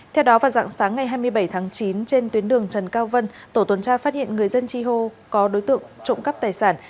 theo đó vào dạng sáng ngày hai mươi bảy tháng chín trên tuyến đường trần cao vân tổ tuần tra phát hiện người dân chi hô có đối tượng trộm cắp tài sản